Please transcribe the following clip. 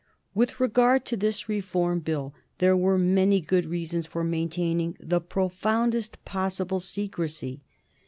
With regard to this Reform Bill there were many good reasons for maintaining the profoundest possible secrecy.